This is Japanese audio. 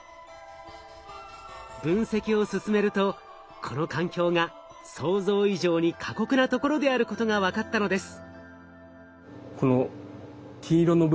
分析を進めるとこの環境が想像以上に過酷なところであることがわかったのです。